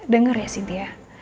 dengar ya sintia